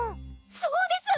そうです！